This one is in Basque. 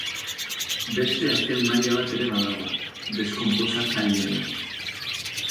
Beste azken maila bat ere badago, deskonposatzaileena.